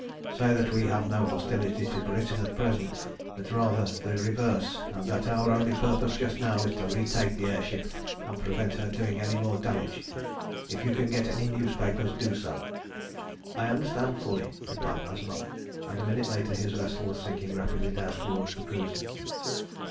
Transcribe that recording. Say that we have no hostility to Britain at present, but rather the reverse, and that our only purpose just now is to retake the air ship and prevent her doing any more damage. If you can get any newspapers, do so." "I understand fully," replied Mazanoff, and a minute later his vessel was sinking rapidly down towards the cruiser.